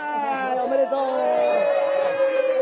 「おめでとう！」